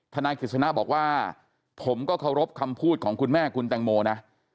นายกฤษณะบอกว่าผมก็เคารพคำพูดของคุณแม่คุณแตงโมนะ